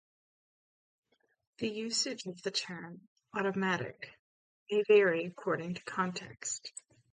The usage of the term "automatic" may vary according to context.